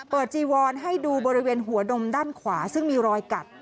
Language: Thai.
จีวอนให้ดูบริเวณหัวดมด้านขวาซึ่งมีรอยกัด